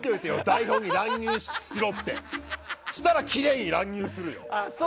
台本に、乱入しろ！ってそしたらきれいに乱入するよ。